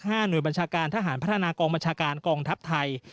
หน่วยบัญชาการทหารพัฒนากองบัญชาการกองทัพไทย